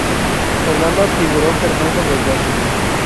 En ambas figuró Fernando Belloso.